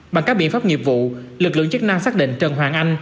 bằng các biện pháp nghiệp vụ lực lượng chức năng xác định trần hoàng anh